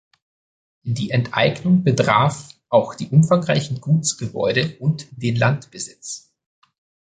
Die Enteignung betraf auch die umfangreichen Gutsgebäude und den Landbesitz.